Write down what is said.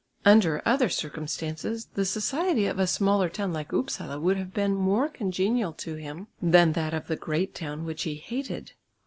Under other circumstances, the society of a smaller town like Upsala would have been more congenial to him than that of the great town which he hated.